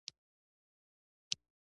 د شوروي ماتول د پښتنو کارنامه ده.